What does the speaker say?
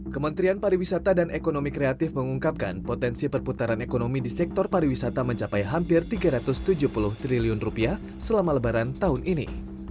kementerian pariwisata dan ekonomi kreatif mengungkapkan potensi perputaran ekonomi di sektor pariwisata mencapai hampir rp tiga ratus tujuh puluh triliun selama lebaran tahun ini